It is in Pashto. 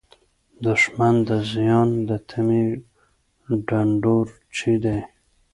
دښمن د زیان د تمې ډنډورچی دی